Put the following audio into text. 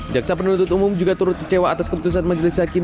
jaksa penuntut umum juga turut kecewa atas keputusan majelis hakim